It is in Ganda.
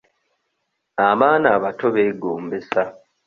Abaana abato beegombesa.